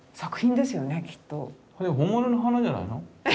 これ本物の花じゃないの？